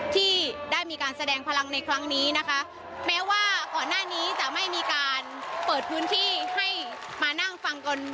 ที่ได้มีการแสดงพลังในครั้งนี้นะคะแม้ว่าก่อนหน้านี้จะไม่มีการเปิดพื้นที่ให้มานั่งฟังกัน